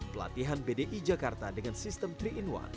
pelatihan bdi jakarta dengan sistem tiga in satu